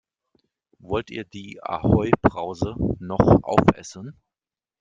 Wollt ihr die Ahoi-Brause noch aufessen?